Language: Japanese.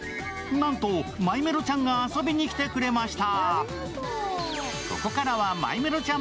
なんと、マイメロちゃんが遊びにきてくれました。